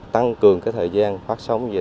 tăng cường thời gian phát sóng về